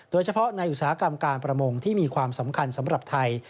โดยเฉพาะในอุตสาหกรรมการประมงที่มีความสำคัญสำหรับไทย